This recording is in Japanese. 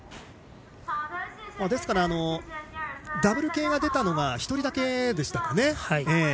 ですから、ダブル系が出たのが１人だけでしたかね。